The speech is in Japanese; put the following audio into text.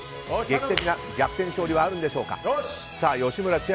劇的な逆転勝利はあるんでしょうか。